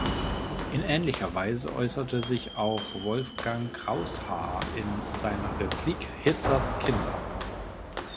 In ähnlicher Weise äußerte sich auch Wolfgang Kraushaar in seiner Replik "Hitlers Kinder?